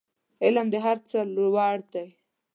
علم د هر څه لوړ دی